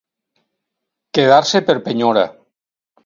Quedar-se per penyora.